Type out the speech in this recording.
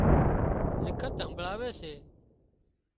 لکت همڀۯاوي سي